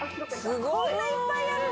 こんないっぱいやるの？